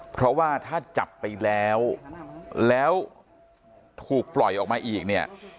เพราะว่าถ้าจับไปแล้วแล้วถูกปล่อยออกมาอีกเนี่ย